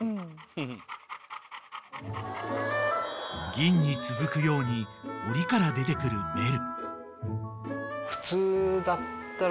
［ぎんに続くようにおりから出てくるメル］